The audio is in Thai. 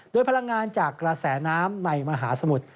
โดยพลังงานจากกระแสน้ำในมหาสมุทร